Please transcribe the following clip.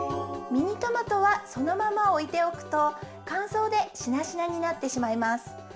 ミニトマトはそのままおいておくとかんそうでしなしなになってしまいます。